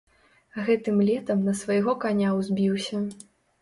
Гэтым летам на свайго каня ўзбіўся.